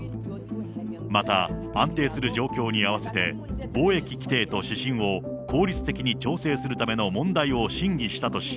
また、安定する状況に合わせて、防疫規定と指針を効率的に調整するための問題を審議したとし、